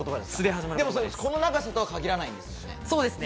この長さとは限らないんですもんね。